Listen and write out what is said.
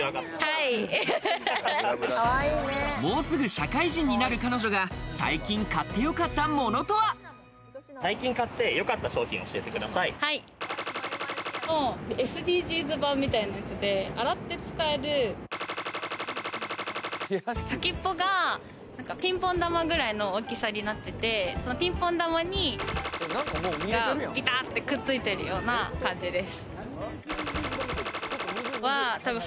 もうすぐ社会人になる彼女が最近買ってよかったものとは？のＳＤＧｓ版みたいな感じで洗って使える先っぽがピンポン球くらいの大きさになってて、ピンポン玉にピタって、くっついてるような感じです。